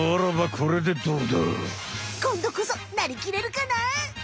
こんどこそなりきれるかな？